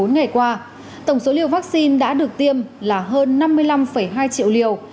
bốn ngày qua tổng số liều vaccine đã được tiêm là hơn năm mươi năm hai triệu liều